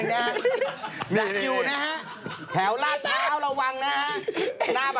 เฮ้ยตื่นโจรไหม